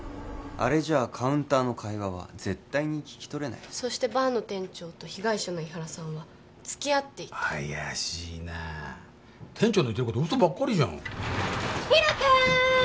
あれじゃあカウンターの会話は絶対に聞き取れないそしてバーの店長と被害者の井原さんは付き合っていた怪しいな店長の言ってること嘘ばっかりじゃんヒロ君！